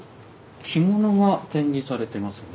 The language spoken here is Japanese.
着物が展示されてますね。